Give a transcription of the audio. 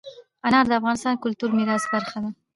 انار د افغانستان د کلتوري میراث برخه ده.